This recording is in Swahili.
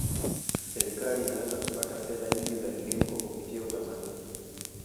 serikali inaweza kupata fedha nyingi za kigeni kwa kupitia utamaduni